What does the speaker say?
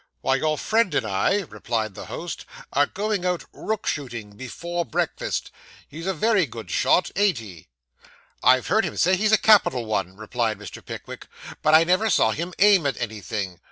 'Why, your friend and I,' replied the host, 'are going out rook shooting before breakfast. He's a very good shot, ain't he?' 'I've heard him say he's a capital one,' replied Mr. Pickwick, 'but I never saw him aim at anything.